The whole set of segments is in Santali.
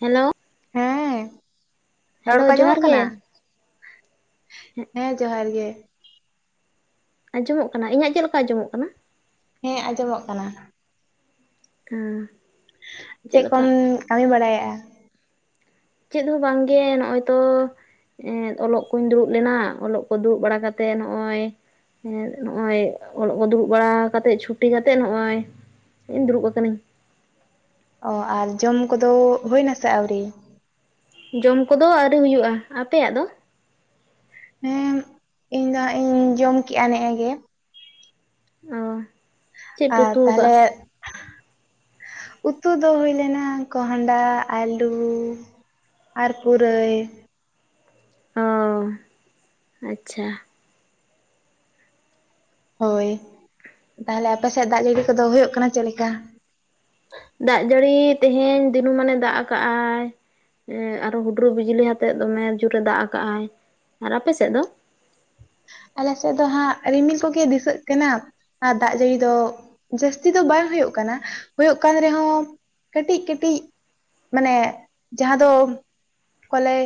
ᱦᱮᱞᱳ ᱦᱮᱸ ᱨᱚᱲ ᱦᱮᱞᱳ ᱠᱚ ᱡᱚᱦᱟᱨ ᱟᱸᱡᱚᱢᱚᱜ ᱠᱟᱱᱟ ᱜᱮ ᱦᱮᱸ ᱡᱚᱦᱟᱨ ᱜᱮ ᱟᱸᱡᱚᱢᱚᱜ ᱠᱟᱱᱟ ᱤᱧᱟᱹᱜ ᱪᱮᱫ ᱞᱮᱠᱟ ᱟᱸᱡᱚᱢᱚᱜ ᱠᱟᱱᱟ ᱦᱮᱸ ᱟᱸᱡᱚᱢᱚᱜ ᱠᱟᱱᱟ ᱦᱩᱸ ᱪᱮᱫ ᱠᱚᱢ ᱠᱟᱹᱢᱤ ᱵᱟᱲᱟᱭᱭᱟᱜᱼᱟ ᱪᱮᱫ ᱦᱚᱸ ᱵᱟᱝᱜᱮ ᱱᱚᱜᱼᱚᱭ ᱛᱚ ᱚᱞᱚᱜ ᱠᱚᱧ ᱫᱩᱲᱩᱵ ᱞᱮᱱᱟ ᱚᱞᱚᱜ ᱠᱚ ᱫᱩᱲᱩᱵ ᱵᱟᱲᱟ ᱠᱟᱛᱮᱮᱫ ᱱᱚᱜᱼᱚᱸᱚᱭ ᱮᱸ ᱱᱚᱜᱼᱚᱭ ᱚᱞᱚᱜ ᱠᱚ ᱫᱩᱲᱩᱵ ᱵᱟᱲᱟ ᱠᱟᱛᱮᱜ ᱪᱷᱩᱴᱤ ᱠᱟᱛᱮᱜ ᱱᱚᱜᱼᱚᱭ ᱤᱧ ᱫᱩᱲᱩᱵ ᱠᱟᱹᱱᱟᱹᱧ ᱚᱸ ᱟᱨ ᱡᱚᱢ ᱠᱚᱫᱚ ᱦᱩᱭ ᱱᱟᱥᱮ ᱟᱹᱣᱨᱤ ᱡᱚᱢ ᱠᱚᱫᱚ ᱟᱹᱣᱨᱤ ᱦᱩᱭᱩᱜᱼᱟ ᱟᱯᱮᱭᱟᱜ ᱫᱚ ᱦᱮᱸ ᱤᱧ ᱫᱚ ᱤᱧ ᱡᱚᱢ ᱠᱮᱜᱼᱟ ᱱᱮᱜ ᱜᱮ ᱚ ᱪᱮᱫ ᱯᱮ ᱟᱨ ᱩᱛᱩ ᱟᱠᱟᱜᱼᱟ ᱛᱟᱦᱚᱞᱮ ᱩᱛᱩ ᱫᱚ ᱦᱩᱭ ᱞᱮᱱᱟ ᱠᱚᱦᱰᱟ ᱟᱹᱞᱩ ᱟᱨ ᱯᱩᱨᱟᱹᱭ ᱚ ᱟᱪᱪᱷᱟ ᱦᱳᱭ, ᱛᱟᱦᱚᱞᱮ ᱟᱯᱮ ᱥᱮᱫ ᱫᱟᱜ ᱡᱟᱹᱲᱤ ᱠᱚᱫᱚ ᱦᱩᱭᱩᱜ ᱠᱟᱱᱟ ᱪᱮᱫᱮ ᱞᱮᱠᱟ ᱫᱟᱜ ᱡᱟᱹᱲᱤ ᱛᱮᱦᱮᱧ ᱫᱤᱱᱩᱢᱟᱱᱮ ᱫᱟᱜ ᱟᱠᱟᱜᱼᱟᱭ ᱟᱨᱚ ᱦᱩᱰᱨᱩ ᱵᱤᱡᱽᱞᱤ ᱟᱛᱮᱫ ᱫᱚᱢᱮ ᱡᱳᱨᱮ ᱮ ᱫᱟᱜ ᱟᱠᱟᱜᱟᱭ ᱟᱨ ᱟᱯᱮᱥᱮᱫ ᱫᱚ ᱟᱞᱮ ᱥᱮᱫ ᱫᱚ ᱦᱟᱸᱜ ᱨᱤᱢᱤᱞ ᱠᱚᱜᱮ ᱫᱤᱥᱟᱹᱜ ᱠᱟᱱᱟ ᱟᱨ ᱫᱟᱜ ᱡᱟᱹᱲᱤ ᱫᱚ ᱡᱟᱹᱥᱛᱤ ᱫᱚ ᱵᱟᱝ ᱦᱩᱭᱩᱜ ᱠᱟᱱᱟ ᱦᱩᱭᱩᱜ ᱠᱟᱱ ᱨᱮᱦᱚᱸ ᱠᱟᱹᱴᱤᱡ ᱠᱟᱹᱴᱤᱡ ᱢᱟᱱᱮ ᱡᱟᱦᱟᱸ ᱫᱚ ᱠᱚ ᱞᱟᱹᱭ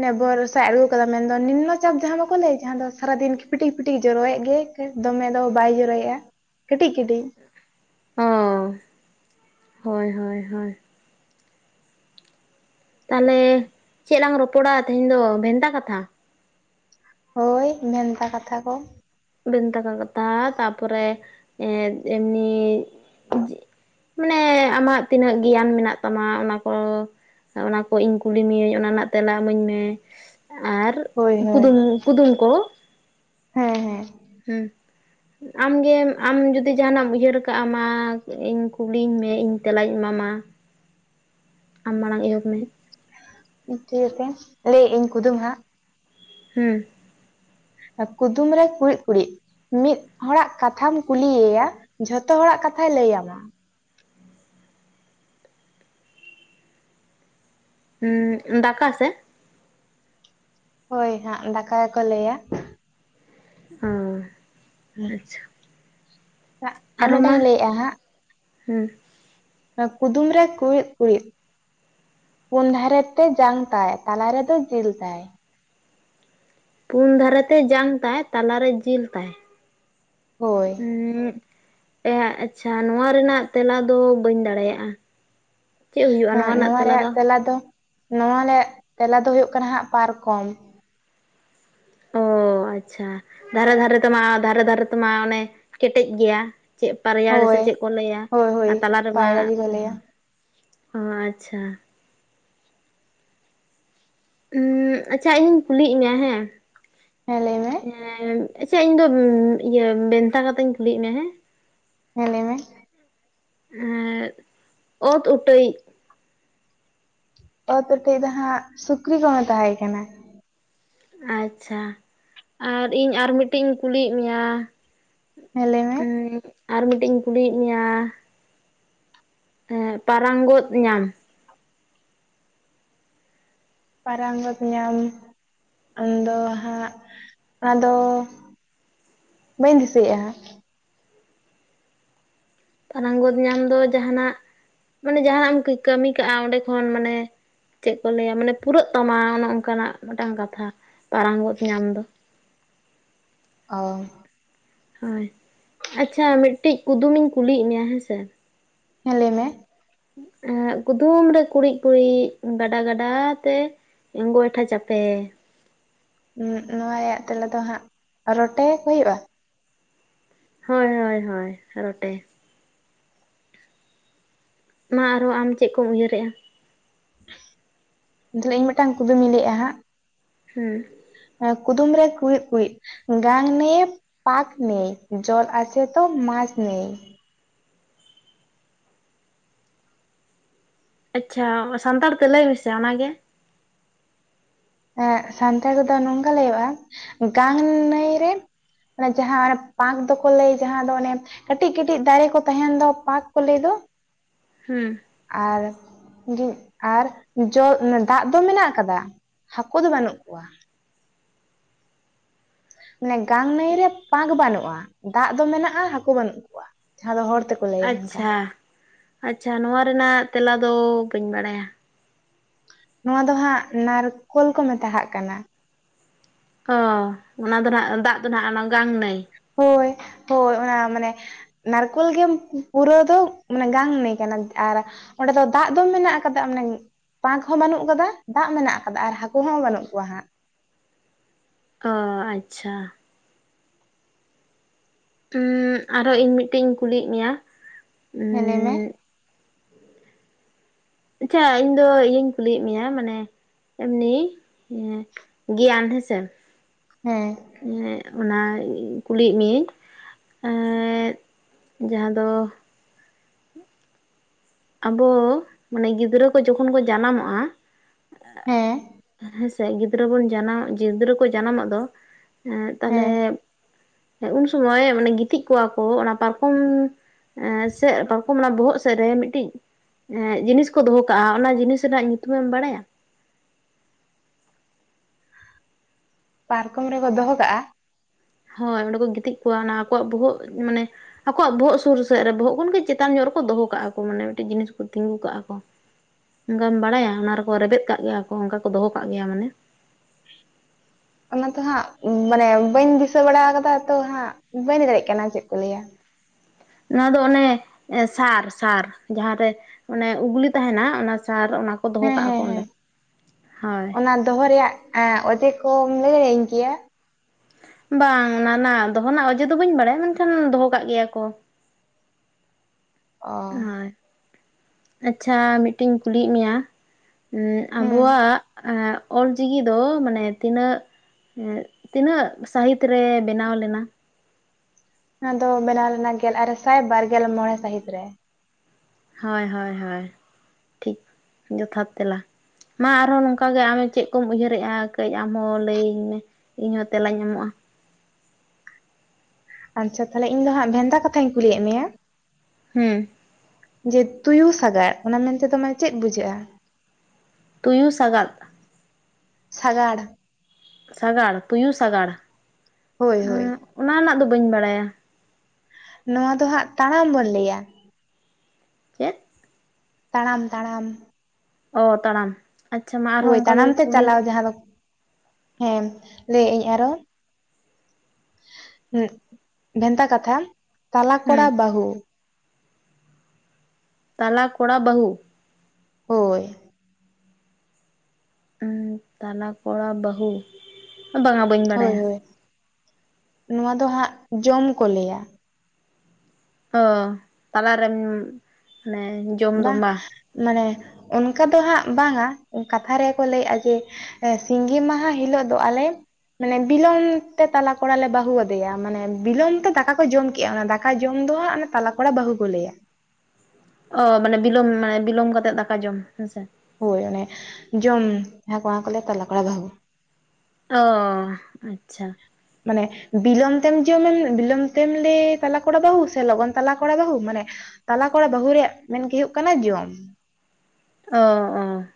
ᱱᱮ ᱵᱚᱨᱥᱟ ᱟᱜᱩ ᱟᱠᱟᱫᱟ ᱢᱮᱱᱫᱚ ᱱᱤᱢᱱᱚ ᱪᱟᱯ ᱡᱟᱦᱟᱸ ᱵᱟᱠᱚ ᱞᱟᱹᱭ ᱡᱟᱦᱟᱸ ᱫᱚ ᱥᱟᱨᱟᱫᱤᱱ ᱯᱷᱤᱴᱤᱠ ᱯᱷᱤᱴᱤᱠ ᱡᱚᱨᱚᱭᱮᱫ ᱜᱮ ᱫᱚᱢᱮ ᱫᱚ ᱵᱟᱭ ᱡᱚᱨᱚᱭᱮᱫᱼᱟ ᱠᱟᱹᱴᱤᱡ ᱠᱟᱹᱴᱤᱡ ᱚ ᱦᱳᱭ ᱦᱳᱭ ᱦᱳᱭ ᱛᱟᱦᱚᱞᱮ ᱪᱮᱫ ᱞᱟᱝ ᱨᱚᱯᱚᱲᱟ ᱛᱮᱦᱮᱧ ᱫᱚ ᱵᱷᱮᱱᱛᱟ ᱠᱟᱛᱷᱟ? ᱦᱳᱭ ᱵᱷᱮᱱᱛᱟ ᱠᱟᱛᱷᱟ ᱠᱚ ᱵᱷᱮᱱᱛᱟ ᱠᱚ ᱠᱟᱛᱷᱟ ᱛᱟᱨᱯᱚᱨᱮ ᱮᱸ ᱮᱢᱱᱤ ᱢᱟᱱᱮ ᱟᱢᱟᱜ ᱛᱤᱱᱟᱹᱜ ᱜᱮᱭᱟᱱ ᱢᱮᱱᱟᱜ ᱛᱟᱢᱟ ᱚᱱᱟ ᱠᱚ ᱚᱱᱟ ᱠᱚ ᱤᱧ ᱠᱩᱞᱤ ᱢᱤᱭᱟᱹᱧ ᱚᱱᱟ ᱨᱮᱱᱟᱜ ᱛᱮᱞᱟ ᱤᱢᱟᱹᱧ ᱢᱮ ᱟᱨ ᱦᱳᱭ ᱦᱳᱭ ᱠᱩᱫᱩᱢ ᱠᱩᱫᱩᱢ ᱠᱚ ᱦᱮᱸ ᱦᱮᱸ ᱦᱩᱸ ᱟᱢᱜᱮ ᱟᱢ ᱡᱩᱫᱤ ᱡᱟᱦᱟᱱᱟᱜ ᱩᱭᱦᱟᱹᱨ ᱠᱟᱜ ᱟ ᱢᱟ ᱤᱧ ᱠᱩᱞᱤᱧ ᱢᱮ ᱤᱧ ᱛᱮᱞᱟᱧ ᱮᱢᱟᱢᱟ ᱟᱢ ᱢᱟᱲᱟᱝ ᱮᱦᱚᱵ ᱢᱮ ᱤᱱᱠᱟᱹ ᱛᱮ ᱞᱟᱹᱭ ᱟᱹᱧ ᱠᱩᱫᱩᱢ ᱦᱟᱸᱜ ᱦᱩᱸ ᱠᱩᱫᱩᱢ ᱨᱮ ᱠᱩᱲᱤᱫ ᱠᱩᱲᱤᱫ ᱢᱤᱫ ᱦᱚᱲᱟᱜ ᱠᱟᱛᱷᱟᱢ ᱠᱩᱞᱤᱭᱮᱭᱟ ᱡᱷᱚᱛᱚ ᱦᱚᱲᱟᱜ ᱠᱟᱛᱷᱟᱭ ᱞᱟᱹᱭ ᱟᱢᱟ ᱩᱸ ᱫᱟᱠᱟ ᱥᱮ ᱦᱳᱭ ᱦᱟᱸᱜ ᱫᱟᱠᱟ ᱜᱮᱠᱚ ᱞᱟᱹᱭᱟ ᱚ ᱟᱪᱪᱷᱟ ᱟᱨ ᱟᱨᱚ ᱢᱤᱫᱴᱟᱝ ᱢᱟ ᱤᱧ ᱞᱟᱹᱭᱮᱜᱼᱟ ᱦᱟᱸᱜ ᱦᱩᱸ ᱠᱩᱫᱩᱢ ᱨᱮ ᱠᱩᱲᱤᱫ ᱠᱩᱲᱤᱫ ᱯᱩᱱ ᱫᱷᱟᱨᱮ ᱛᱮ ᱡᱟᱝ ᱛᱟᱭ ᱛᱟᱞᱟ ᱨᱮᱫᱚ ᱡᱤᱞ ᱛᱟᱭ ᱯᱩᱱ ᱫᱷᱟᱨᱮ ᱛᱮ ᱡᱟᱝ ᱛᱟᱭ ᱛᱟᱞᱟᱨᱮ ᱡᱤᱞ ᱛᱟᱭ ᱦᱳᱭ ᱩᱸᱜ ᱮ ᱟᱪᱪᱷᱟ ᱱᱚᱣᱟ ᱨᱮᱱᱟᱜ ᱛᱮᱞᱟ ᱫᱚ ᱵᱟᱹᱧ ᱫᱟᱲᱮᱭᱟᱜᱼᱟ ᱦᱮᱸ ᱱᱚᱣᱟ ᱨᱮᱭᱟᱜ ᱛᱮᱞᱟ ᱫᱚ ᱱᱚᱣᱟ ᱨᱮᱭᱟᱜ ᱛᱮᱞᱟ ᱫᱚ ᱦᱩᱭᱩᱜ ᱠᱟᱱᱟ ᱦᱟᱸᱜ ᱯᱟᱨᱠᱚᱢ ᱚ ᱟᱪᱪᱷᱟ ᱫᱷᱟᱨᱮ ᱫᱷᱟᱨᱮ ᱛᱮᱢᱟ ᱫᱷᱟᱨᱮ ᱫᱷᱟᱨᱮ ᱛᱮᱢᱟ ᱚᱱᱮ ᱠᱮᱴᱮᱡ ᱜᱮᱭᱟ ᱪᱮᱫ ᱯᱟᱨᱭᱟᱲ ᱥᱮ ᱦᱳᱭ ᱪᱮᱫ ᱠᱚ ᱞᱟᱹᱭᱟ ᱦᱳᱭ ᱦᱳᱭ ᱟᱨ ᱛᱟᱞᱟ ᱨᱮᱢᱟ ᱯᱟᱭᱲᱟ ᱜᱮᱠᱚ ᱞᱟᱹᱭᱟ ᱚ ᱟᱪᱪᱷᱟ ᱩᱸᱜ ᱟᱪᱪᱷᱟ ᱤᱧᱤᱧ ᱠᱩᱞᱤᱭᱮᱫ ᱢᱮᱭᱟ ᱦᱮᱸ ᱦᱮᱸ ᱞᱟᱹᱭ ᱢᱮ ᱟᱪᱪᱷᱟ ᱤᱧᱫᱚ ᱤᱭᱟᱹ ᱵᱷᱮᱱᱛᱟ ᱠᱟᱛᱷᱟᱧ ᱠᱩᱞᱤᱭᱮᱫ ᱢᱮᱭᱟ ᱦᱮᱸ ᱦᱮᱸ ᱞᱟᱹᱭ ᱢᱮ ᱮᱸᱜ ᱚᱛ ᱩᱴᱟᱹᱭᱤᱡ ᱚᱛ ᱩᱴᱟᱹᱭᱤᱡ ᱫᱚ ᱦᱟᱸᱜ ᱥᱩᱠᱨᱤ ᱠᱚ ᱢᱮᱛᱟᱭ ᱠᱟᱱᱟ ᱟᱪᱪᱷᱟ ᱟᱨ ᱤᱧ ᱟᱨ ᱢᱤᱫᱴᱮᱱ ᱤᱧ ᱠᱩᱞᱤᱭᱮᱫ ᱢᱮᱭᱟ ᱦᱮᱸ ᱞᱟᱹᱭ ᱢᱮ ᱩᱸ ᱟᱨ ᱢᱤᱫᱴᱮᱱ ᱤᱧ ᱠᱩᱞᱤᱭᱮᱫ ᱢᱮᱭᱟ ᱮᱸ ᱯᱟᱨᱟᱝᱜᱚᱫ ᱧᱟᱢ ᱯᱟᱨᱟᱝᱜᱚᱛ ᱧᱟᱢ ᱚᱱᱟ ᱫᱚ ᱦᱟᱸᱜ ᱟᱫᱚ ᱵᱟᱹᱧ ᱫᱤᱥᱟᱹᱭᱮᱫᱼᱟ ᱦᱟᱸᱜ ᱯᱟᱨᱟᱝᱜᱚᱫ ᱧᱟᱢ ᱫᱚ ᱡᱟᱦᱟᱱᱟᱜ ᱢᱟᱱᱮ ᱡᱟᱦᱟᱱᱟᱜ ᱮᱢ ᱠᱟᱹᱢᱤ ᱠᱟᱜᱼᱟ ᱚᱸᱰᱮ ᱠᱷᱚᱱ ᱢᱟᱱᱮ ᱪᱮᱫ ᱠᱚ ᱞᱟᱹᱭᱟ ᱢᱟᱱᱮ ᱯᱩᱨᱟᱹᱜ ᱛᱟᱢᱟ ᱚᱱᱮ ᱚᱱᱠᱟᱱᱟᱜ ᱢᱤᱫᱴᱟᱝ ᱠᱟᱛᱷᱟ ᱯᱟᱨᱟᱝᱜᱚᱫ ᱧᱟᱢ ᱫᱚ ᱚ ᱦᱳᱭ ᱟᱪᱪᱷᱟ ᱢᱤᱫᱴᱤᱡ ᱠᱩᱫᱩᱢᱤᱧ ᱠᱩᱞᱤᱭᱮᱫ ᱢᱮᱭᱟ ᱦᱮᱸᱥᱮ ᱦᱮᱸ ᱞᱟᱹᱭ ᱢᱮ ᱮᱸᱜ ᱠᱩᱫᱩᱢ ᱨᱮ ᱠᱩᱲᱤᱫ ᱠᱩᱲᱤᱫ ᱜᱟᱰᱟ ᱜᱟᱰᱟ ᱛᱮ ᱮ ᱜᱚᱭᱴᱷᱟ ᱪᱟᱯᱮ ᱩᱸᱜ ᱱᱚᱣᱟ ᱨᱮᱭᱟᱜ ᱛᱮᱞᱟ ᱫᱚ ᱦᱟᱸᱜ ᱨᱚᱴᱮ ᱠᱚ ᱦᱩᱭᱩᱜ-ᱟ ᱦᱳᱭ ᱦᱳᱭ ᱦᱳᱭ ᱨᱚᱴᱮ ᱢᱟ ᱟᱨᱚᱸ ᱟᱢ ᱪᱮᱫ ᱠᱚᱢ ᱩᱭᱦᱟᱹᱨᱮᱜ-ᱟ ᱤᱧ ᱢᱤᱫᱴᱟᱝ ᱠᱩᱫᱩᱢᱤᱧ ᱞᱟᱹᱭᱮᱜ-ᱟ ᱦᱟᱸᱜ ᱦᱩᱸ ᱚ ᱠᱩᱫᱩᱢ ᱨᱮ ᱠᱩᱲᱤᱫ ᱠᱩᱲᱤᱫ ᱜᱟᱱ ᱱᱮᱭ ᱯᱟᱠ ᱱᱮᱭ ᱡᱚᱞ ᱟᱪᱷᱮ ᱛᱚ ᱢᱟᱡ ᱱᱮᱭ ᱟᱪᱪᱷᱟ ᱥᱟᱱᱛᱟᱲ ᱛᱮ ᱞᱟᱹᱭ ᱢᱮᱥᱮ ᱚᱱᱟᱜ ᱜᱮ ᱮ ᱥᱟᱱᱛᱟᱲ ᱛᱮᱫᱚ ᱱᱚᱝᱠᱟ ᱞᱟᱹᱭᱟᱹᱜ-ᱟ ᱜᱟᱱ ᱱᱟᱹᱭ ᱨᱮ ᱚᱱᱮ ᱡᱟᱦᱟᱸ ᱚᱱᱮ ᱯᱟᱸᱠ ᱫᱚᱠᱚ ᱞᱟᱹᱭ ᱡᱟᱦᱟᱸ ᱫᱚ ᱚᱱᱮ ᱠᱟᱹᱴᱤᱡ ᱠᱟᱹᱴᱤᱡ ᱫᱟᱨᱮ ᱠᱚ ᱛᱟᱦᱮᱱ ᱫᱚ ᱯᱟᱠ ᱠᱚ ᱞᱟᱹᱭ ᱫᱚ ᱦᱩᱸ ᱟᱨ ᱟᱨ ᱡᱚ ᱫᱟᱜ ᱫᱚ ᱢᱮᱱᱟᱜ ᱟᱠᱟᱫᱟ ᱦᱟᱹᱠᱩ ᱫᱚ ᱵᱟᱹᱱᱩᱜ ᱠᱚᱣᱟ ᱢᱟᱱᱮ ᱜᱟᱝ ᱱᱟᱹᱭ ᱨᱮ ᱯᱟᱠ ᱵᱟᱹᱱᱩᱜ-ᱟ ᱫᱟᱜ ᱫᱚ ᱢᱮᱱᱟᱜ-ᱟ ᱦᱟᱹᱠᱩ ᱵᱟᱹᱱᱩᱜ ᱠᱚᱣᱟ ᱡᱟᱦᱟᱸ ᱫᱚ ᱦᱚᱲ ᱛᱮᱠᱚ ᱞᱟᱹᱭᱟ ᱚᱱᱠᱟ ᱟᱪᱪᱷᱟ ᱟᱪᱪᱷᱟ ᱱᱚᱣᱟ ᱨᱮᱱᱟᱜ ᱛᱮᱞᱟ ᱫᱚ ᱵᱟᱹᱧ ᱵᱟᱲᱟᱭᱟ ᱱᱚᱣᱟ ᱫᱚ ᱦᱟᱸᱜ ᱱᱟᱨᱠᱳᱞ ᱠᱚ ᱢᱮᱛᱟᱜ ᱠᱟᱱᱟ ᱚᱻ ᱚᱱᱟ ᱫᱚ ᱱᱟᱦᱟᱜ ᱫᱟᱜ ᱫᱚ ᱱᱟᱦᱟᱜ ᱚᱱᱟ ᱜᱟᱝ ᱱᱟᱹᱭ ᱦᱳᱭ ᱦᱳᱭ ᱚᱱᱟ ᱢᱟᱱᱮ ᱱᱟᱨᱠᱳᱞ ᱜᱮ ᱯᱩᱨᱟᱹᱣ ᱫᱚ ᱢᱟᱱᱮ ᱜᱟᱝ ᱱᱟᱹᱭ ᱠᱟᱱᱟ ᱟᱨ ᱚᱸᱰᱮ ᱫᱚ ᱫᱟᱜ ᱫᱚ ᱢᱮᱱᱟᱜ ᱟᱠᱟᱫᱟ ᱢᱟᱱᱮ ᱯᱟᱠ ᱦᱚᱸ ᱵᱟᱹᱱᱩᱜ ᱟᱠᱟᱫᱟ ᱫᱟᱜ ᱢᱮᱱᱟᱜ ᱟᱠᱟᱫᱟ ᱟᱨ ᱦᱟᱹᱠᱩ ᱦᱚᱸ ᱵᱟᱹᱱᱩᱜ ᱠᱚᱣᱟ ᱦᱟᱸᱜ ᱚ ᱟᱪᱪᱷᱟ ᱟᱨᱚ ᱤᱧ ᱢᱤᱫᱴᱮᱱ ᱤᱧ ᱠᱩᱞᱤᱭᱮᱫ ᱢᱮᱭᱟ ᱦᱮ ᱞᱟᱹᱭ ᱢᱮ ᱩᱸ ᱟᱪᱪᱷᱟ ᱤᱧ ᱫᱚ ᱤᱭᱟᱹᱧ ᱠᱩᱞᱤᱭᱮᱫ ᱢᱮᱭᱟ ᱢᱟᱱᱮ ᱮᱢᱱᱤ ᱜᱮᱭᱟᱱ ᱦᱮᱥᱮ ᱦᱮᱸ ᱮ ᱚᱱᱟ ᱠᱩᱞᱤᱭᱮᱫ ᱢᱤᱭᱟᱹᱧ ᱮᱫ ᱡᱟᱦᱟᱸ ᱫᱚ ᱟᱵᱚ ᱢᱟᱱᱮ ᱜᱤᱫᱽᱨᱟᱹ ᱠᱚ ᱡᱚᱠᱷᱚᱱ ᱠᱚ ᱡᱟᱱᱟᱢᱚᱜ-ᱟ ᱦᱮᱸ ᱥᱮ ᱜᱤᱫᱽᱨᱟᱹ ᱵᱚᱱ ᱡᱟᱱᱟᱢ ᱜᱤᱫᱽᱨᱟᱹ ᱠᱚ ᱡᱟᱱᱟᱢᱟᱜ ᱫᱚ ᱮ ᱛᱟᱦᱚᱞᱮ ᱦᱮᱸ ᱩᱱ ᱥᱚᱢᱚᱭ ᱢᱟᱱᱮ ᱜᱤᱛᱤᱡ ᱠᱚᱣᱟ ᱠᱚ ᱚᱱᱟ ᱯᱟᱨᱠᱚᱢ ᱮ ᱥᱮᱫ ᱯᱟᱨᱠᱚᱢ ᱚᱱᱟ ᱵᱚᱦᱚᱜ ᱥᱮᱫ ᱨᱮ ᱢᱤᱫᱴᱤᱡ ᱮᱜ ᱡᱤᱱᱤᱥ ᱠᱚ ᱫᱚᱦᱚ ᱠᱟᱜ-ᱟ ᱚᱱᱟ ᱡᱤᱱᱤᱥ ᱨᱮᱱᱟᱜ ᱧᱩᱛᱩᱢᱮᱢ ᱵᱟᱲᱟᱭᱟ ᱯᱟᱨᱠᱚᱢ ᱨᱮᱠᱚ ᱫᱚᱦᱚ ᱠᱟᱜ-ᱟ ᱦᱳᱭ ᱚᱸᱰᱮ ᱠᱚ ᱜᱤᱛᱤᱡ ᱠᱚᱣᱟ ᱚᱱᱟ ᱟᱠᱚᱣᱟᱜ ᱵᱚᱦᱚᱜ ᱢᱟᱱᱮ ᱟᱠᱚᱣᱟᱜ ᱵᱚᱦᱚᱜ ᱥᱩᱨ ᱥᱮᱫ ᱨᱮ ᱵᱚᱦᱚᱜ ᱠᱷᱚᱱᱜᱮ ᱪᱮᱛᱟᱱ ᱧᱚᱜ ᱨᱮᱠᱚ ᱫᱚᱦᱚ ᱠᱟᱜ-ᱟ ᱠᱚ ᱢᱟᱱᱮ ᱢᱤᱫᱴᱤᱡ ᱡᱤᱱᱤᱥ ᱠᱚ ᱛᱤᱸᱜᱩ ᱠᱟᱜ-ᱟᱠᱚ ᱚᱱᱠᱟᱢ ᱵᱟᱲᱟᱭᱟ ᱚᱱᱟ ᱨᱮᱠᱚ ᱨᱮᱵᱮᱫ ᱠᱟᱜ ᱜᱮᱭᱟ ᱠᱚ ᱚᱱᱠᱟ ᱠᱚ ᱫᱚᱦᱚ ᱠᱟᱜ ᱜᱮᱭᱟ ᱢᱟᱱᱮ ᱚᱱᱟ ᱛᱚ ᱦᱟᱸᱜ ᱢᱟᱱᱮ ᱵᱟᱹᱧ ᱫᱤᱥᱟᱹ ᱵᱟᱲᱟ ᱠᱟᱫᱟ ᱛᱚ ᱦᱟᱸᱜ ᱵᱟᱹᱧ ᱫᱟᱲᱮᱭᱟᱜ ᱠᱟᱱᱟ ᱪᱮᱫ ᱠᱚ ᱞᱟᱹᱭᱟ ᱱᱚᱣᱟ ᱫᱚ ᱚᱱᱮ ᱥᱟᱨ ᱥᱟᱨ ᱡᱟᱦᱟᱸᱨᱮ ᱚᱱᱮ ᱩᱩᱜᱽᱞᱤ ᱛᱟᱦᱮᱱᱟ ᱚᱱᱟ ᱥᱟᱨ ᱚᱱᱟ ᱠᱚ ᱫᱚᱦᱚ ᱦᱮᱸ ᱠᱟᱜ-ᱟ ᱠᱚ ᱦᱮᱸ ᱚᱸᱰᱮ ᱦᱮᱸ ᱦᱳᱭ ᱚᱱᱟ ᱫᱚᱦᱚ ᱨᱮᱭᱟᱜ ᱚᱡᱮ ᱠᱚᱢ ᱞᱟᱹᱭᱟᱹᱧ ᱜᱮᱭᱟ ᱵᱟᱝ ᱚᱱᱟ ᱨᱮᱱᱟᱜ ᱫᱚᱦᱚ ᱨᱮᱱᱟᱜ ᱚᱡᱮ ᱫᱚ ᱵᱟᱹᱧ ᱵᱟᱲᱟᱭᱟ ᱢᱮᱱᱠᱷᱟᱱ ᱫᱚᱦᱚ ᱠᱟᱜ ᱜᱮᱭᱟ ᱠᱚ ᱚ ᱦᱳᱭ ᱟᱪᱪᱷᱟ ᱢᱤᱫᱴᱮᱜ ᱤᱧ ᱠᱩᱞᱤᱭᱮᱫ ᱢᱮᱭᱟ ᱦᱮᱸ ᱟᱵᱚᱣᱟᱜ ᱚᱞ ᱪᱤᱠᱤ ᱫᱚ ᱢᱟᱱᱮ ᱛᱤᱱᱟᱹᱜ ᱛᱤᱱᱟᱹᱜ ᱥᱟᱹᱦᱤᱛ ᱨᱮ ᱵᱮᱱᱟᱣ ᱞᱮᱱᱟ ᱚᱱᱟ ᱫᱚ ᱵᱮᱱᱟᱣ ᱞᱮᱱᱟ ᱜᱮᱞ ᱟᱨᱮ ᱥᱟᱭ ᱵᱟᱨᱜᱮᱞ ᱢᱚᱬᱮ ᱥᱟᱹᱦᱤᱛ ᱨᱮ ᱦᱳᱭ ᱦᱳᱭ ᱦᱳᱭ ᱴᱷᱤᱠ ᱡᱚᱛᱷᱟᱛ ᱛᱮᱞᱟ ᱢᱟ ᱟᱨᱦᱚᱸ ᱱᱚᱝᱠᱟ ᱜᱮ, ᱟᱢ ᱪᱮᱜ ᱠᱚᱢ ᱩᱭᱦᱟᱹᱨᱮᱜᱼᱟ ᱠᱟᱹᱡ ᱟᱢ ᱦᱚᱸ ᱞᱟᱹᱭᱟᱹᱧ ᱢᱮ᱾ ᱤᱧᱦᱚᱸ ᱛᱮᱞᱟᱧ ᱮᱢᱚᱜᱼᱟ᱾ ᱟᱪᱪᱷᱟ, ᱛᱟᱦᱚᱞᱮ ᱤᱧ ᱫᱚ ᱦᱟᱸᱜ ᱵᱷᱮᱱᱛᱟ ᱠᱟᱛᱷᱟᱧ ᱠᱩᱞᱤᱭᱮᱫ ᱢᱮᱭᱟ᱾ ᱦᱩᱸ ᱡᱮ ᱛᱩᱭᱩ ᱥᱟᱜᱟᱫ ᱾ ᱚᱱᱟ ᱢᱮᱱᱛᱮ ᱫᱚ ᱢᱟᱱᱮ ᱪᱮᱫ ᱵᱩᱡᱷᱟᱹᱜᱼᱟ? ᱛᱩᱭᱩ ᱥᱟᱜᱟᱫ᱾ ᱥᱟᱜᱟᱲ ᱥᱟᱜᱟᱲ ᱾ ᱛᱩᱭᱩ ᱥᱟᱜᱟᱲ᱾ ᱦᱳᱭ, ᱦᱳᱭ᱾ ᱚᱱᱟ ᱨᱮᱱᱟᱜ ᱫᱚ ᱵᱟᱹᱧ ᱵᱟᱲᱟᱭᱟ᱾ ᱱᱚᱣᱟ ᱫᱚ ᱦᱟᱸᱜ ᱛᱟᱲᱟᱢ ᱵᱚᱱ ᱞᱟᱹᱭᱼᱟ᱾ ᱪᱮᱫ ᱛᱟᱲᱟᱢ ᱛᱟᱲᱟᱢ ᱚ ᱛᱟᱲᱟᱢ ᱟᱪᱪᱷᱟ ᱢᱟ ᱦᱳᱭ ᱟᱨᱦᱚᱸ ᱚᱱᱠᱟ ᱜᱮ ᱛᱟᱲᱟᱢ ᱛᱮ ᱠᱩᱞᱤ ᱪᱟᱞᱟᱣ ᱡᱟᱦᱟᱸ ᱫᱚ᱾ [inaudible] ᱞᱟᱹᱭᱮ ᱟᱹᱧ ᱟᱨᱚ᱾ [inaudible] ᱵᱷᱮᱱᱛᱟ ᱠᱟᱛᱷᱟ᱾ ᱛᱟᱞᱟ ᱠᱚᱲᱟ ᱦᱩᱸ ᱵᱟᱹᱦᱩ᱾ ᱛᱟᱞᱟ ᱠᱚᱲᱟ ᱵᱟᱹᱦᱩ᱾ ᱦᱳᱭ ᱩᱸ ᱛᱟᱞᱟ ᱠᱚᱲᱟ ᱵᱟᱹᱦᱩ, ᱵᱟᱸᱜᱼᱟ ᱦᱳᱭ ᱦᱳᱭ᱾ ᱱᱚᱣᱟ ᱫᱚ ᱦᱟᱸᱜ ᱡᱚᱢ ᱠᱚ ᱞᱟᱹᱭᱼᱟ᱾ ᱚ ᱛᱟᱞᱟᱨᱮᱢ ᱢᱟᱱᱮ ᱡᱚᱢ ᱫᱚ ᱵᱟᱝ, ᱢᱟᱱᱮ ᱚᱱᱠᱟ ᱫᱚ ᱦᱟᱸᱜ ᱵᱟᱝᱟ᱾ ᱠᱟᱛᱷᱟ ᱨᱮ ᱠᱚ ᱞᱟᱹᱭ ᱮᱼᱟ ᱡᱮ ᱥᱤᱸᱜᱤ ᱢᱟᱦᱟ ᱦᱤᱞᱳᱜ ᱫᱚ ᱟᱞᱮ ᱢᱟᱱᱮ ᱵᱤᱞᱚᱢ ᱛᱮ ᱛᱟᱞᱟ ᱠᱚᱲᱟ ᱞᱮ ᱵᱟᱹᱦᱩ ᱟᱫᱮᱭᱟ ᱾ ᱢᱟᱱᱮ ᱵᱤᱞᱚᱢ ᱛᱮ ᱫᱟᱠᱟ ᱠᱚ ᱡᱚᱢ ᱠᱮᱜᱼᱟ᱾ ᱚᱱᱟ ᱫᱟᱠᱟ ᱫᱟᱠᱟ ᱡᱚᱢ ᱫᱚ ᱦᱟᱜ ᱛᱟᱞᱟ ᱠᱚᱲᱟ ᱵᱟᱹᱦᱩ ᱠᱚ ᱞᱟᱹᱭᱼᱟ᱾ ᱚ ᱢᱟᱱᱮ ᱵᱤᱞᱚᱢ, ᱢᱟᱱᱮ ᱵᱤᱞᱚᱢ ᱠᱟᱛᱮᱜ ᱫᱟᱠᱟ ᱡᱚᱢ ᱦᱮᱸ ᱥᱮ᱾ ᱦᱳᱭ ᱚᱱᱮ ᱢᱟᱱᱮ ᱡᱚᱢ ᱦᱮ ᱚᱱᱟ ᱠᱚ ᱞᱟᱹᱭᱟ ᱛᱟᱞᱟ ᱠᱚᱲᱟ ᱵᱟᱹᱦᱩ᱾ ᱚ ᱟᱪᱪᱷᱟ᱾ ᱢᱟᱱᱮ ᱵᱤᱞᱚᱢ ᱛᱮᱢ [unintelligible] ᱵᱤᱞᱚᱢ ᱛᱮᱢ ᱞᱮᱭ ᱛᱟᱞᱟ ᱠᱚᱲᱟ ᱵᱟᱹᱦᱩ ᱥᱮ ᱞᱚᱜᱚᱱ ᱛᱟᱞᱟ ᱠᱚᱲᱟ ᱵᱟᱹᱦᱩ ᱢᱟᱱᱮ ᱛᱟᱞᱟ ᱠᱚᱲᱟ ᱵᱟᱹᱦᱩ ᱨᱮᱭᱟᱜ ᱢᱮᱱ ᱜᱮ ᱦᱩᱭᱩᱜ ᱠᱟᱱᱟ ᱡᱚᱢ᱾ ᱚ ᱚ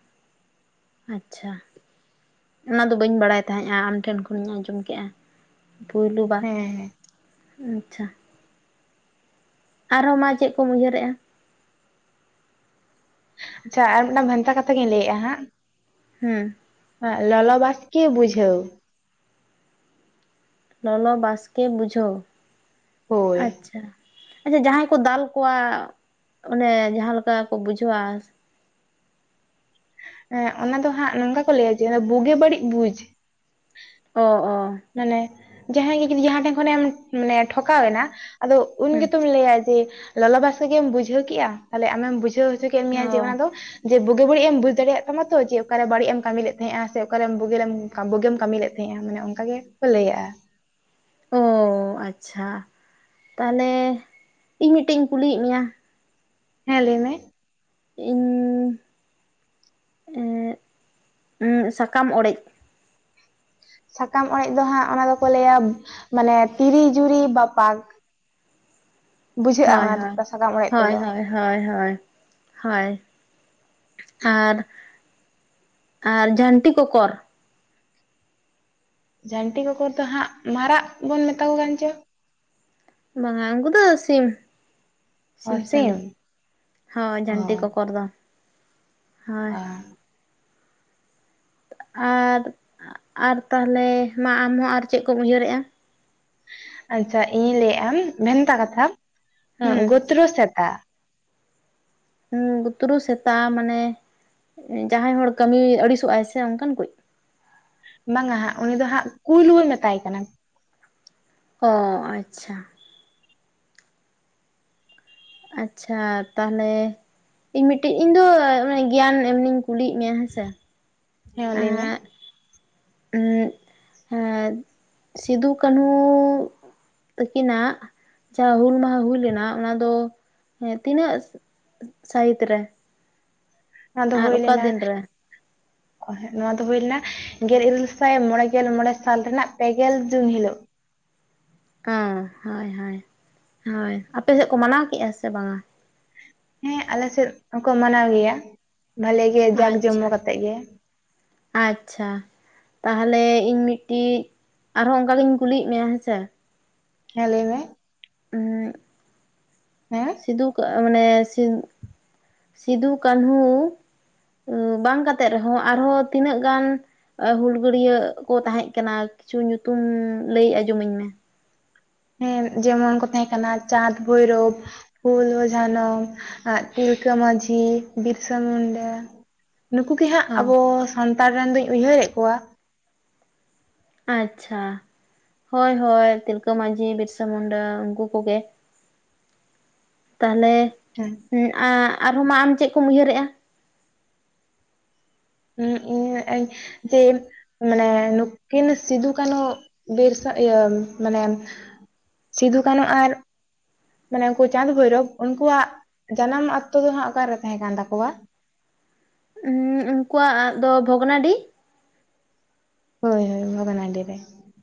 ᱟᱪᱪᱷᱟ, ᱚᱱᱟᱫᱚ ᱵᱟᱹᱧ ᱵᱟᱲᱟᱭ ᱛᱟᱦᱮᱸᱼᱟ ᱟᱢᱴᱷᱮᱱ ᱠᱷᱚᱱᱤᱧ ᱟᱸᱡᱚᱢ ᱠᱮᱫᱼᱟ᱾ ᱯᱩᱭᱞᱩ ᱵᱟᱝ, ᱦᱮᱸ ᱦᱮᱸ ᱟᱪᱪᱷᱟ᱾ ᱟᱨᱦᱚᱸ ᱢᱟ ᱪᱮᱫ ᱠᱚ ᱩᱭᱦᱟᱹᱨ ᱮᱜᱼᱟ᱾ ᱟᱪᱪᱷᱟ ᱟᱨ ᱢᱤᱫᱴᱟᱝ ᱵᱷᱮᱱᱛᱟ ᱠᱟᱛᱷᱟ ᱜᱤᱧ ᱞᱟᱹᱭ ᱮᱜᱼᱟ ᱦᱟᱸᱜ᱾ ᱦᱩᱸ ᱮᱸᱜ ᱞᱚᱞ ᱵᱟᱥᱠᱮ ᱵᱩᱡᱷᱟᱹᱣ᱾ ᱞᱚᱞᱚ ᱵᱟᱥᱠᱮ ᱵᱩᱡᱷᱟᱹᱣ᱾ ᱦᱳᱭ ᱟᱪᱪᱷᱟ ᱟᱪᱪᱷᱟ, ᱡᱟᱦᱟᱸᱭ ᱠᱚ ᱫᱟᱞ ᱠᱚᱣᱟ ᱾ ᱚᱱᱮ ᱡᱟᱦᱟᱸ ᱞᱮᱠᱟ ᱠᱚ ᱵᱩᱡᱷᱟᱹᱣᱼᱟ᱾ ᱮᱸᱜ ᱚᱱᱟ ᱫᱚ ᱦᱟᱸᱜ ᱱᱚᱝᱠᱟ ᱠᱚ ᱞᱟᱹᱭᱼᱟ ᱡᱮ ᱵᱩᱜᱤ ᱵᱟᱹᱲᱤᱡ ᱵᱩᱡ᱾ ᱚ ᱚ ᱢᱟᱱᱮ ᱡᱟᱦᱟᱸᱭ ᱜᱮ ᱡᱩᱫᱤ ᱡᱟᱦᱟᱸ ᱴᱷᱮᱱ ᱠᱷᱚᱱᱮᱢ ᱢᱟᱱᱮ ᱴᱷᱚᱠᱟᱣ ᱮᱱᱟ᱾ ᱟᱫᱚ ᱩᱱ ᱦᱮᱸ ᱜᱮᱛᱚᱢ ᱞᱟᱹᱭᱼᱟ ᱡᱮ ᱞᱚᱞᱚ ᱵᱟᱥᱮᱜ ᱜᱮᱢ ᱵᱩᱡᱷᱟᱹᱣ ᱠᱮᱜᱼᱟ᱾ ᱛᱟᱦᱚᱞᱮ ᱟᱢᱮᱢ ᱵᱩᱡᱷᱟᱹᱣ ᱦᱚᱪᱚ ᱠᱮᱜ ᱠᱮᱫ ᱢᱮᱭᱟ ᱡᱮ ᱚᱱᱟ ᱚ ᱫᱚ ᱡᱮ ᱵᱩᱜᱤ ᱵᱟᱹᱲᱤᱡ ᱮᱢ ᱵᱩᱡ ᱫᱟᱲᱮᱭᱟᱜ ᱛᱟᱢᱟ ᱛᱚ᱾ ᱡᱮ ᱚᱠᱟᱨᱮ ᱵᱟᱹᱲᱤᱡ ᱮᱢ ᱠᱟᱹᱢᱤ ᱞᱮᱫ ᱛᱟᱦᱮᱸᱜᱼᱟ ᱥᱮ ᱚᱠᱟᱨᱮᱢ ᱵᱩᱜᱮ ᱨᱮᱢ ᱵᱳᱜᱮᱢ ᱠᱟᱹᱢᱤ ᱞᱮᱫ ᱛᱟᱦᱮᱸᱜᱼᱟ ᱢᱟᱱᱮ ᱚᱱᱠᱟ ᱜᱮᱠᱚ ᱞᱟᱹᱭᱟᱜᱼᱟ᱾ ᱚ ᱟᱪᱪᱷᱟ ᱛᱟᱦᱞᱮ ᱤᱧ ᱢᱤᱫᱴᱮᱱ ᱤᱧ ᱠᱩᱞᱤᱭᱮᱫ ᱢᱮᱭᱟ᱾ ᱦᱮᱸ ᱞᱟᱹᱭ ᱢᱮ ᱤᱧ ᱮᱸᱫ, ᱩᱸ ᱥᱟᱠᱟᱢ ᱚᱲᱮᱡ ᱾ ᱥᱟᱠᱟᱢ ᱚᱲᱮᱡ ᱫᱚ ᱦᱟᱸᱜ ᱚᱱᱟ ᱫᱚᱠᱚ ᱞᱟᱹᱭᱟ ᱢᱟᱱᱮ ᱛᱤᱨ ᱡᱩᱨᱤ ᱵᱟᱯᱟᱠ᱾ ᱵᱩᱡᱷᱟᱹᱜᱼᱟ ᱚᱱᱟ ᱫᱩᱛᱛᱟ ᱥᱟᱠᱟᱢ ᱚᱲᱮᱡ ᱛᱮᱫᱚ ᱾ ᱦᱚᱭ ᱦᱚᱭ ᱦᱚᱭ ᱟᱨ᱾ ᱟᱨ ᱡᱷᱟᱹᱱᱴᱤ ᱠᱚᱠᱚᱨ᱾ ᱡᱷᱟᱹᱱᱴᱤ ᱠᱚᱠᱚᱨ ᱫᱚ ᱦᱟᱸᱜ ᱢᱟᱨᱟᱜ ᱵᱚᱱ ᱢᱮᱛᱟ ᱠᱚ ᱠᱟᱱ ᱪᱚ? ᱵᱟᱝᱟ ᱩᱱᱠᱩ ᱫᱚ ᱥᱤᱢ᱾ ᱥᱤᱢ ᱥᱟᱺᱰᱤ ᱦᱳᱭ ᱡᱷᱟᱹᱱᱴᱤ ᱠᱚᱠᱚᱨ ᱫᱚ᱾ ᱦᱳᱭ ᱚ ᱟᱨ ᱟᱨ ᱛᱟᱦᱚᱞᱮ ᱢᱟ ᱟᱢᱦᱚᱸ ᱟᱨ ᱪᱮᱫ ᱠᱚᱢ ᱩᱭᱦᱟᱹᱨᱮᱜᱼᱟ? ᱟᱪᱪᱷᱟ ᱤᱧᱤᱧ ᱞᱟᱹᱭᱮᱜᱼᱟ ᱵᱷᱮᱱᱛᱟ ᱠᱟᱛᱷᱟ ᱦᱮᱸ ᱜᱳᱛᱨᱳ ᱥᱮᱛᱟ᱾ ᱦᱩᱸ ᱜᱩᱛᱨᱩ ᱥᱮᱛᱟ ᱢᱟᱱᱮ ᱡᱟᱦᱟᱸᱭ ᱦᱚᱲ ᱠᱟᱹᱢᱤ ᱟᱹᱲᱤᱥᱚᱜᱼᱟᱭ ᱥᱮ ᱚᱱᱠᱟᱱ ᱠᱚᱭ ᱤᱡ? ᱵᱟᱝᱟ ᱦᱟᱸᱜ, ᱩᱱᱤ ᱫᱚ ᱦᱟᱸᱜ ᱠᱩᱞ ᱵᱚᱱ ᱢᱮᱛᱟᱭ ᱠᱟᱱᱟ᱾ ᱚ ᱟᱪᱪᱷᱟ᱾ ᱟᱪᱪᱷᱟ ᱛᱟᱦᱚᱞᱮ ᱤᱧ ᱢᱤᱫᱴᱤᱡ ᱤᱧ ᱫᱚ ᱜᱮᱭᱟᱱ ᱮᱢᱱᱤᱧ ᱠᱩᱞᱤᱭᱮᱜ ᱢᱮᱭᱟ ᱦᱮᱸᱥᱮ᱾ ᱦᱮᱸ ᱞᱟᱹᱭ ᱢᱮ ᱾ ᱩᱜ ᱮᱜ ᱥᱤᱫᱩ ᱠᱟᱹᱱᱦᱩ ᱛᱟᱠᱤᱱᱟᱜ ᱡᱟᱦᱟᱸ ᱦᱩᱞ ᱢᱟᱦᱟ ᱦᱩᱭ ᱞᱮᱱᱟ ᱚᱱᱟ ᱫᱚ ᱛᱤᱱᱟᱹᱜ? ᱥᱟᱦᱤᱛ ᱨᱮ ᱾ ᱚᱱᱟ ᱫᱚ ᱦᱩᱭ ᱞᱮᱱᱟ ᱨᱮ ᱾ ᱚ ᱱᱚᱣᱟ ᱫᱚ ᱦᱳᱭ ᱞᱮᱱᱟ ᱜᱮᱞ ᱤᱨᱟᱹᱞ ᱥᱟᱭ ᱢᱚᱬᱮ ᱜᱮᱞ ᱢᱚᱬᱮ ᱥᱟᱞ ᱨᱮᱱᱟᱜ ᱯᱮᱜᱮᱞ ᱡᱩᱱ ᱦᱤᱞᱳᱜ᱾ ᱚᱸ ᱦᱳᱭ ᱦᱳᱭ ᱦᱳᱭ ᱟᱯᱮ ᱥᱮᱫ ᱠᱚ ᱢᱟᱱᱟᱣ ᱠᱮᱫᱼᱟ ᱥᱮ ᱵᱟᱝᱟ? ᱦᱮᱸ ᱟᱞᱮ ᱥᱮᱫ ᱦᱚᱸᱠᱚ ᱢᱟᱱᱟᱣ ᱜᱮᱭᱟ ᱵᱷᱟᱞᱮ ᱜᱮ ᱡᱟᱠ ᱟᱪᱪᱷᱟ ᱡᱚᱢᱚᱠ ᱠᱟᱛᱮᱜ ᱜᱮ ᱟᱪᱪᱷᱟ ᱛᱟᱦᱚᱞᱮ ᱤᱧ ᱢᱤᱫᱴᱤᱡ ᱟᱨᱦᱚᱸ ᱚᱱᱠᱟ ᱜᱤᱧ ᱠᱩᱞᱤᱭᱮᱜ ᱢᱮᱭᱟ ᱦᱮᱸᱥᱮ᱾ ᱦᱮ ᱞᱟᱹᱭ ᱢᱮ᱾ ᱩᱸ ᱦᱮᱸ ᱥᱤᱫᱩ ᱢᱟᱱᱮ ᱥᱤᱫᱩ ᱠᱟᱹᱱᱦᱩ᱾ ᱵᱟᱝ ᱠᱟᱛᱮᱜ ᱨᱮᱦᱚᱸ ᱟᱨᱦᱚᱸ ᱛᱤᱱᱟᱹᱜ ᱜᱟᱱ ᱦᱩᱞᱜᱟᱹᱲᱭᱟᱹ ᱠᱚ ᱛᱟᱦᱮᱸ ᱠᱟᱱᱟ ᱠᱤᱪᱷᱩ ᱧᱩᱛᱩᱢ ᱞᱟᱹᱭ ᱟᱸᱡᱚᱢ ᱟᱹᱧ ᱢᱮ᱾ ᱦᱮᱸ ᱡᱮᱢᱚᱱ ᱠᱚ ᱛᱟᱦᱮᱸ ᱠᱟᱱᱟ ᱪᱟᱸᱫᱽ ᱵᱷᱳᱭᱨᱳᱵᱽ᱾ ᱦᱩᱞᱳ-ᱡᱷᱟᱱᱚᱢ ᱛᱤᱞᱠᱟᱹ ᱢᱟᱺᱡᱷᱤ ᱵᱤᱨᱥᱟ ᱢᱩᱱᱰᱟ᱾ ᱱᱩᱠᱩ ᱜᱮ ᱦᱟᱸᱜ ᱚ ᱟᱵᱚ ᱥᱟᱱᱛᱟᱲ ᱨᱮᱱ ᱫᱩᱧ ᱩᱭᱦᱟᱹᱨᱮᱫ ᱠᱚᱣᱟ᱾ ᱟᱪᱪᱷᱟ ᱦᱳᱭ ᱦᱳᱭ ᱛᱤᱞᱠᱟᱹ ᱢᱟᱺᱡᱷᱤ ᱵᱤᱨᱥᱟ ᱢᱩᱱᱰᱟ ᱩᱱᱠᱩ ᱠᱚᱜᱮ᱾ ᱛᱟᱦᱞᱮ, [unintelligible] ᱟᱨᱦᱚᱸ ᱢᱟ ᱟᱢ ᱪᱮᱫ ᱠᱚᱢ ᱩᱭᱦᱟᱹᱨᱮᱜᱼᱟ ᱾ [unintelligible] ᱡᱮ ᱢᱟᱱᱮ ᱱᱩᱠᱤᱱ ᱥᱤᱫᱩ ᱠᱟᱱᱩ ᱵᱤᱨᱥᱟ ᱤᱭᱟᱹ ᱢᱟᱱᱮ ᱥᱤᱫᱩ ᱠᱟᱹᱱᱩ ᱟᱨ ᱢᱟᱱᱮ ᱩᱱᱠᱩ ᱪᱟᱸᱫᱽ ᱵᱷᱳᱭᱨᱳᱵ ᱩᱱᱠᱩᱣᱟᱜ ᱡᱟᱱᱟᱢ ᱟᱛᱳ ᱫᱚ ᱦᱟᱸᱜ ᱚᱠᱟᱨᱮ ᱛᱟᱦᱮᱸ ᱠᱟᱱ ᱛᱟᱠᱚᱣᱟ? ᱩᱱᱠᱩᱣᱟᱜ ᱫᱚ ᱵᱷᱚᱜᱽᱱᱟᱰᱤ ᱦᱳᱭ ᱦᱳᱭ ᱵᱷᱚᱜᱱᱟᱰᱤ ᱨᱮ᱾